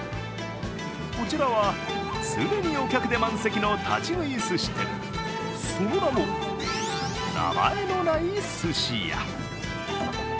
こちらは常にお客で満席の立ち食い寿司店、その名も、名前のない寿司屋。